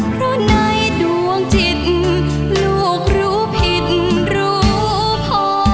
เพราะในดวงจิตลูกรู้ผิดรู้พอ